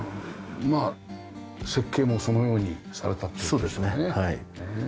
まあ設計もそのようにされたって事ですよね。